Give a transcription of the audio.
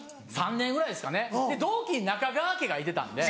３年ぐらい。で同期に中川家がいてたんで。